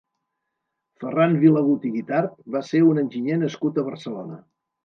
Ferran Vilagut i Guitart va ser un enginyer nascut a Barcelona.